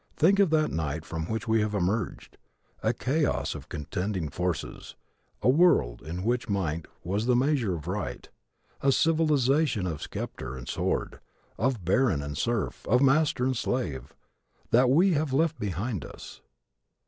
Think of that night from which we have emerged a chaos of contending forces, a world in which might was the measure of right, a civilization of scepter and sword, of baron and serf, of master and slave. That, we have left behind us.